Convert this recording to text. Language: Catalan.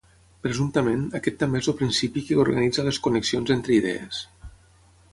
Presumptament, aquest també és el "principi" que organitza les connexions entre idees.